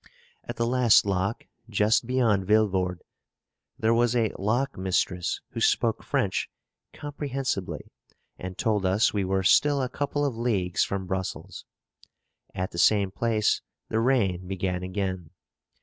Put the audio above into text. At the last lock, just beyond Villevorde, there was a lock mistress who spoke French comprehensibly, and told us we were still a couple of leagues from Brussels. At the same place, the rain began again.